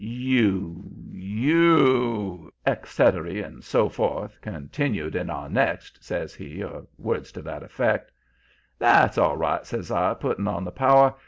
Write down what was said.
"'You you etcetery and so forth, continued in our next!' says he, or words to that effect. "'That's all right,' says I, putting on the power.